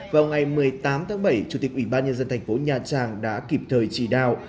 vào ngày một mươi tám tháng bảy chủ tịch ủy ban nhân dân thành phố nha trang đã kịp thời chỉ đạo